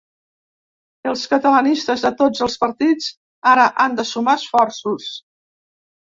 Els catalanistes de tots els partits ara han de sumar esforços.